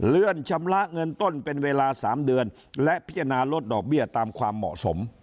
ชำระเงินต้นเป็นเวลา๓เดือนและพิจารณาลดดอกเบี้ยตามความเหมาะสม